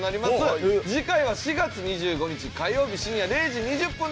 次回は４月２５日火曜日深夜０時２０分です。